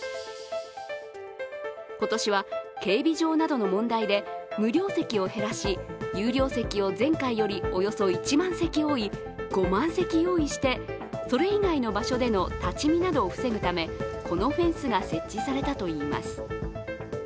今年は、警備上などの問題で無料席を減らし有料席を前回よりおよそ１万席多い５万席用意して、それ以外の場所での立ち見などを防ぐためこのフェンスが設置されたといいます。